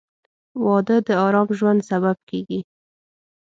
• واده د ارام ژوند سبب کېږي.